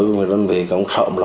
của người đơn vị sợ ấm hoang hóa